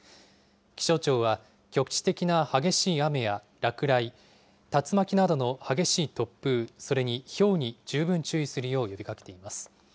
気象庁は局地的な激しい雨や落雷、竜巻などの激しい突風、それにひょうに十分注意するよう呼びかけています。